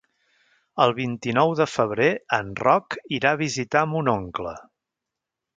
El vint-i-nou de febrer en Roc irà a visitar mon oncle.